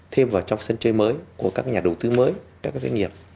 thêm vào trong sân chơi mới của các nhà đầu tư mới các doanh nghiệp